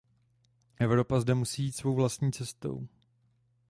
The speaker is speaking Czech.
Evropa zde musí jít svou vlastní cestou.